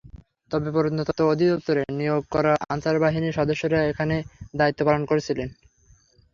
তবে প্রত্নতত্ত্ব অধিদপ্তরের নিয়োগ করা আনসার বাহিনীর সদস্যরা সেখানে দায়িত্ব পালন করছিলেন।